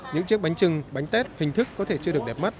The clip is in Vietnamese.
những chiếc bánh trưng bánh tết hình thức có thể chưa được đẹp mắt